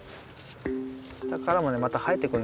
下からもねまた生えてくんだよね。